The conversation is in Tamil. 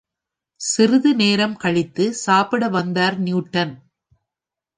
சிறிது நேரம் கழித்து சாப்பிடவந்தார் நியூட்டன்.